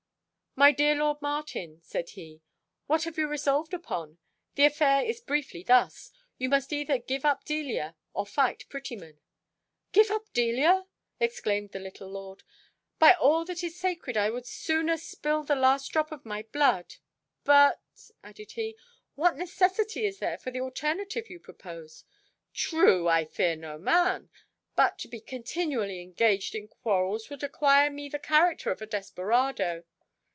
"My dear lord Martin," said he, "what have you resolved upon? The affair is briefly thus you must either give up Delia, or fight Mr. Prettyman." "Give up Delia!" exclaimed the little lord; "by all that is sacred I will sooner spill the last drop of my blood. But," added he, "what necessity is there for the alternative you propose? True, I fear no man. But to be continually engaged in quarrels would acquire me the character of a desperado."